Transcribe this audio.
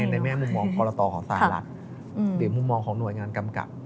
ในแม่มุมมองของภาระตอห์ของสหรัฐหรือมุมมองของนวยงานกำกัด